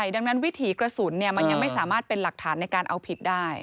ดังนั้นวิถีกระสุนมันยังไม่สามารถเป็นหลักฐานในการเอาผิดได้